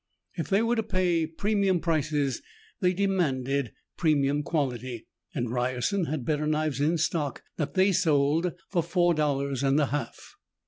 If they were to pay premium prices, they demanded premium quality and Ryerson had better knives in stock that they sold for four dollars and a half.